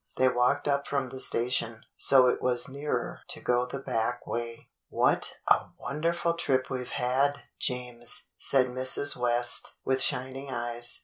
They walked up from the station, so it was nearer to go the back way. "What a wonderful trip we've had, James!" said Mrs. West, with shining eyes.